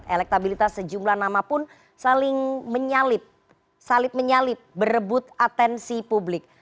elektabilitas sejumlah nama pun saling menyalip salib menyalip berebut atensi publik